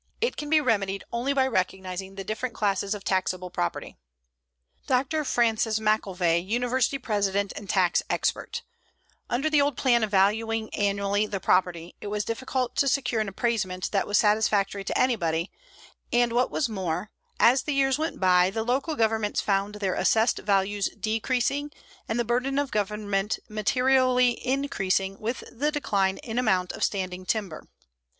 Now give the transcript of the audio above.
It can be remedied only by recognizing the different classes of taxable property. DR. FRANCIS L. MCVEY, University President and Tax Expert: Under the old plan of valuing annually the property it was difficult to secure an appraisement that was satisfactory to anybody and, what was more, as the years went by the local governments found their assessed values decreasing and the burden of government materially increasing with the decline in amount of standing timber.